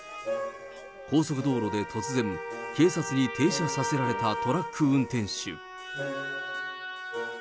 高速道路で突然、警察に停車させられたトラック運転手。